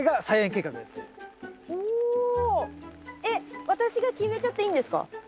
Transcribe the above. えっ私が決めちゃっていいんですか？